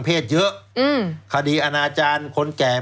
แล้วเขาก็ใช้วิธีการเหมือนกับในการ์ตูน